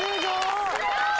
・すごい。